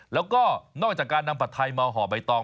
แล้วก็นอกจากการนำผัดไทยมาห่อใบตอง